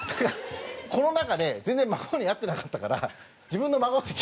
コロナ禍で全然孫に会ってなかったから。